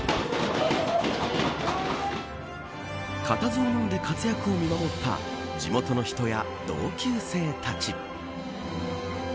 固唾をのんで活躍を見守った地元の人や同級生たち。